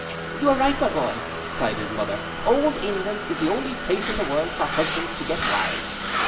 'You are right, my boy,' cried his mother, 'Old England is the only place in the world for husbands to get wives.